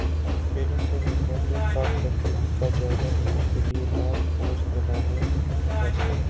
کھیلوں سے متعلق کارکردگی کا جائزہ لینے کیلئے ٹاسک فورس بنانے کا فیصلہ